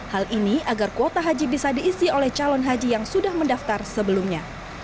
hal ini agar kuota haji bisa diisi oleh calon haji yang sudah mendaftar sebelumnya